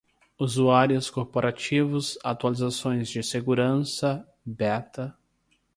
usuários corporativos, atualizações de segurança, beta